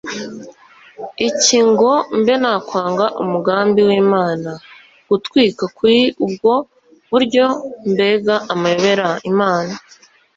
iki ngo mbe nakwanga umugambi w'imana ? gutwita kuri ubwo buryo, mbega amayobera ! imana